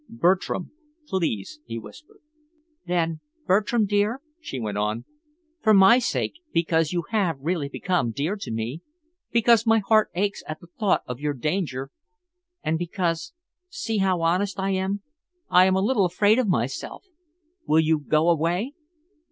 "Bertram, please," he whispered. "Then Bertram, dear," she went on, "for my sake, because you have really become dear to me, because my heart aches at the thought of your danger, and because see how honest I am I am a little afraid of myself will you go away?